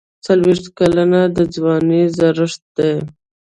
څلوېښت کلني د ځوانۍ زړښت دی.